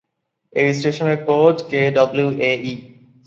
এই স্টেশনের code KWAE.